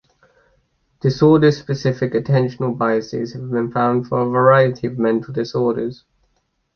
Disorder specific attentional biases have been found for a variety of mental disorders.